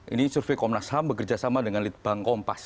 ini survei komnas ham bekerjasama dengan litbang kompas